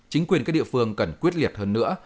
chính quyền các địa phương cần quyết liệt hơn nữa